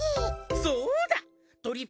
そうだとりっ